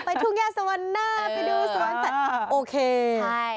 ไปทุ่งแย่สวรรณ์หน้าไปดูสวรรณ์สัตว์